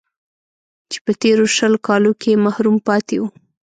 چې په تېرو شل کالو کې محروم پاتې و